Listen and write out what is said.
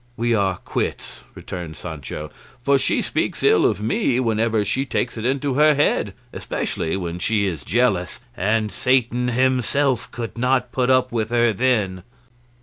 "We are quits," returned Sancho; "for she speaks ill of me whenever she takes it into her head, especially when she is jealous; and Satan himself could not put up with her then."